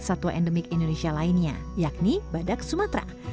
satwa endemik indonesia lainnya yakni badak sumatera